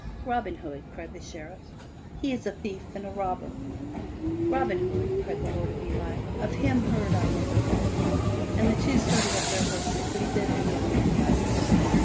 " Robin Hood !" cried the Sheriff. " He is a thief and a robber !" *'Robin Hood!" cried the Lord of Ely. 0f him heard I never good!" and the two started up their horses and bade their young men ride on.